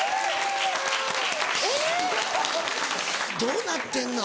どうなってんの？